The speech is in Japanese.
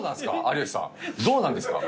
どうなんですか？